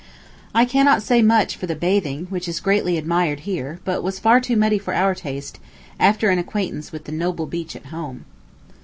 I cannot say much for the bathing, which is greatly admired here, but was far too muddy for our taste, after an acquaintance with the noble beach at home.